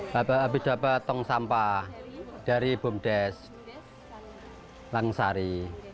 bapak bapak tong sampah dari bumdes langsari